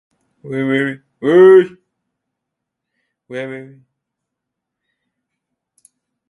想爱猫了